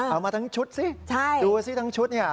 เอามาทั้งชุดสิดูสิทั้งชุดเนี่ย